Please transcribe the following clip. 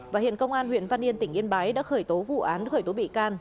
và hiện công an huyện văn yên tỉnh yên bái đã khởi tố vụ án khởi tố bị can